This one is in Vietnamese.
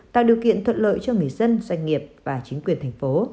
tạo điều kiện thuận lợi cho người dân doanh nghiệp và chính quyền thành phố